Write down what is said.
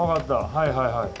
はいはいはい。